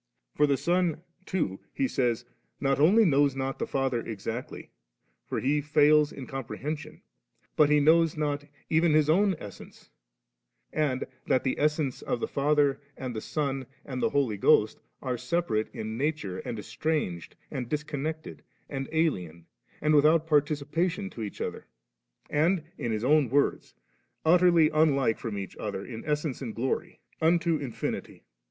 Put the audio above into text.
For the Son, too, he says, 4 dtSjm, «6b noC« 7, dt Dmr, d, not* 8. not only knows not the Father exactly, for He fails in comprehension *, but * He knows not even His own essence;' — ^and that *the es sences of the Father and the Son and the Holy Ghost, are separate in nature, and estrange^ and disconnected, and alien*, and without par ticipation of each others ;' and, in his own words, * utterly unlike from each other in es sence and glory, unto infinity.'